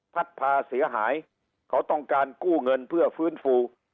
พาเสียหายเขาต้องการกู้เงินเพื่อฟื้นฟู